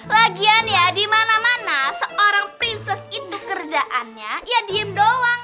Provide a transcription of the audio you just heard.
lagian ya di mana mana seorang prinses itu kerjaannya ya diem doang